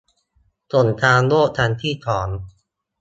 สงครามโลกครั้งที่สอง